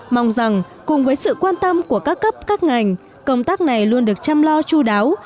mong rằng cùng với sự quan tâm của các cấp các ngành công tác này luôn được chăm lo chú đáo